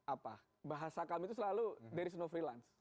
apa bahasa kami itu selalu there is no freelance